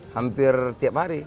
hampir tiap hari